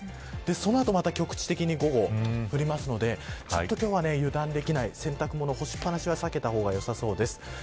そのあと局地的に午後降りますので今日は油断できない洗濯物干しっぱなしを避けた方がよさそうです。